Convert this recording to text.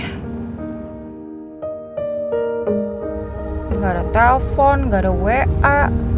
nggak ada telepon gak ada wa